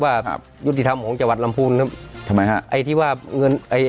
ครับยุติธรรมของจังหวัดลำพูนครับทำไมฮะไอ้ที่ว่าเงินไอ้